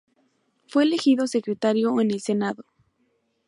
Fue elegido secretario en el Senado.